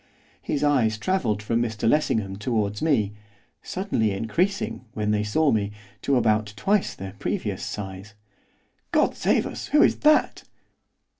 His eyes travelled from Mr Lessingham towards me, suddenly increasing, when they saw me, to about twice their previous size. 'God save us! who is that?